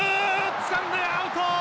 つかんでアウト！